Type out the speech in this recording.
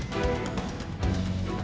saya merasakan hidup saya